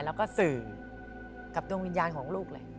แล้วก็สื่อกับดวงวิญญาณของลูกเลย